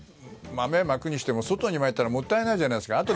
豆をまくにしても外にまいたらもったいないじゃないですか。